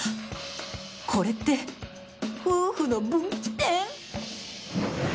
これって、夫婦の分岐点！？